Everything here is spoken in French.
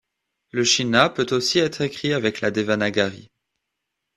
Le shina peut aussi être écrit avec la devanagari.